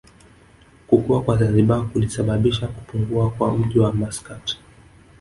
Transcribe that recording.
Kukua kwa Zanzibar kulisababisha kupungua kwa mji wa Maskat